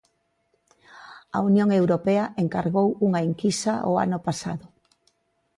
A Unión Europea encargou unha enquisa o ano pasado.